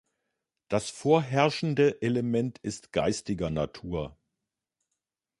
Das vorherrschende Element ist geistiger Natur.